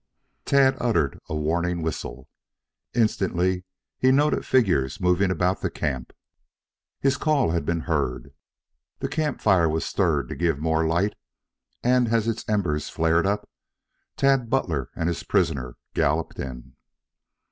Tad uttered a warning whistle. Instantly he noted figures moving about the camp. His call had been heard. The camp fire was stirred to give more light, and as its embers flared up, Tad Butler and his prisoner galloped in.